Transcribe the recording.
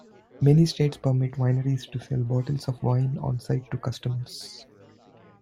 Many states permit wineries to sell bottles of wine on-site to customers.